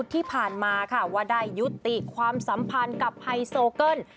ที่ผ่านมาค่ะว่าได้ยุติความสัมพันธ์กับไฮโซเกิ้ล